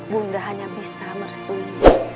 bunda hanya bisa merestuinya